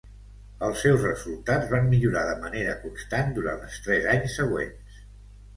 Els seus resultats van millorar de manera constant durant els tres anys següents.